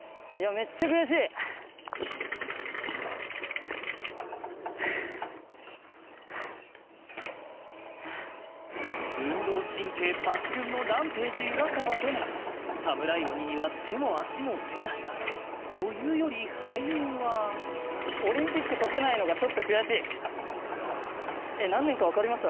めっちゃ悔しい運動神経抜群のＲＡＭＰＡＧＥ・浦川でもサムライ鬼には手も足も出ないというより敗因はオリンピック解けないのがちょっと悔しいえっ何年か分かります？